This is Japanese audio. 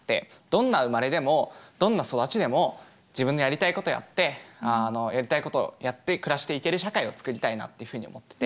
どんな生まれでもどんな育ちでも自分のやりたいことやって暮らしていける社会をつくりたいなっていうふうに思ってて。